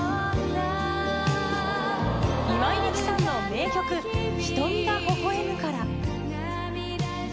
今井美樹さんの名曲『瞳がほほえむから』。